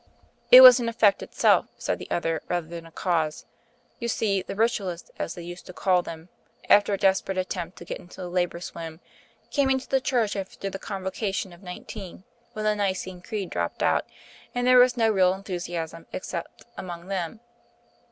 "It was an effect itself," said the other, "rather than a cause. You see, the Ritualists, as they used to call them, after a desperate attempt to get into the Labour swim, came into the Church after the Convocation of '19, when the Nicene Creed dropped out; and there was no real enthusiasm except among them.